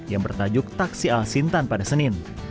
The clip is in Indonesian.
yang bertajuk taksi al sintan pada senin